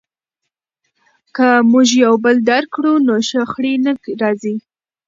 که موږ یو بل درک کړو نو شخړې نه راځي.